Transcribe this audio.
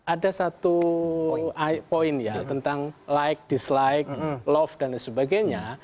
ada satu poin ya tentang like dislike love dan sebagainya